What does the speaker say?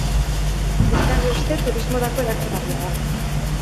Besteak beste, turismorako erakargarria da.